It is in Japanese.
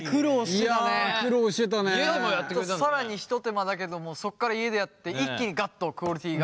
ちょっと更に一手間だけどもそこから家でやって一気にガッとクオリティーが。